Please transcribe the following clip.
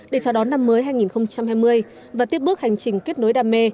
để chào đón năm mới hai nghìn hai mươi và tiếp bước hành trình kết nối đam mê